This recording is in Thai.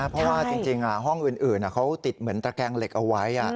เพราะว่าจริงห้องอื่นเขาติดเหมือนตระแกงเหล็กเอาไว้